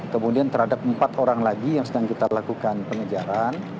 kemudian terhadap empat orang lagi yang sedang kita lakukan pengejaran